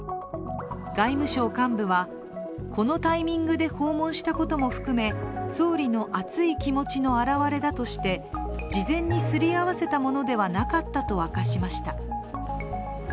外務省幹部は、このタイミングで訪問したことも含め総理の熱い気持ちの表れだとして事前にすりあわせたものではなかったと明かしました。